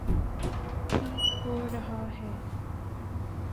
ٹھیک ہو رہا ہے۔